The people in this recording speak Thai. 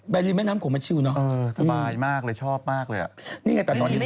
แบบนี้แม่น้ำของมันชิวเนอะสบายมากเลยชอบมากเลยอ่ะนี่ไงแต่ตอนนี้ฝนตก